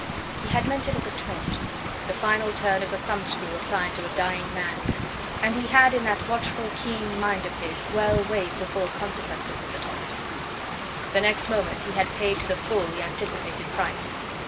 He had meant it as a taunt, the final turn of the thumb screw applied to a dying man, and he had in that watchful, keen mind of his well weighed the full consequences of the taunt. The next moment he had paid to the full the anticipated price.